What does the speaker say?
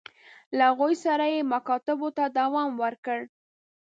له هغوی سره یې مکاتبو ته دوام ورکړ.